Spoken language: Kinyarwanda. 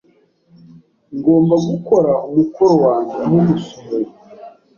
Ngomba gukora umukoro wanjye aho gusohoka.